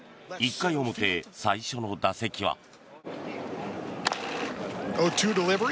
１回表、最初の打席は。